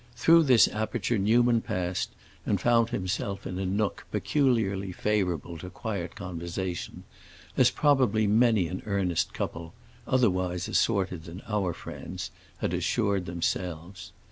Through this aperture Newman passed and found himself in a nook peculiarly favorable to quiet conversation, as probably many an earnest couple, otherwise assorted than our friends, had assured themselves.